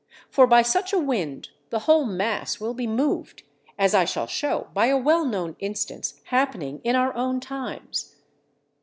For by such a wind the whole mass will be moved, as I shall show by a well known instance happening in our own times.